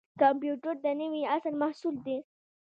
کمپیوټر د نوي عصر محصول دی